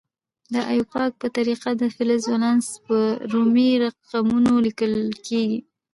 د ایوپاک په طریقه د فلز ولانس په رومي رقمونو لیکل کیږي.